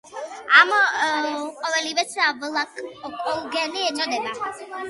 ამ ყოველივეს ავლაკოგენი ეწოდება.